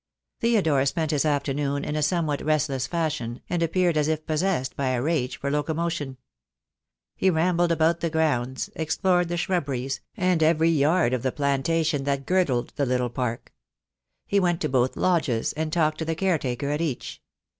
Theodore spent his afternoon in a somewhat restless fashion, and appeared as if possessed by a rage for loco motion. He rambled about the grounds, explored the shrubberies, and every yard of the plantation that girdled the little park. He went to both lodges, and talked to the caretaker at each.